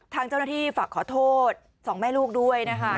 ทางเจ้าหน้าที่ฝากขอโทษสองแม่ลูกด้วยนะคะ